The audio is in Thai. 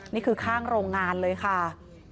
นี่คือข้างโรงงานเลยค่ะ